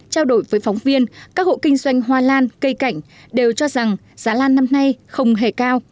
trao đổi với phóng viên các hộ kinh doanh hoa lan cây cảnh đều cho rằng giá lan năm nay không hề cao